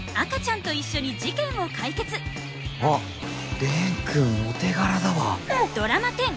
あっ蓮くんお手柄だわ。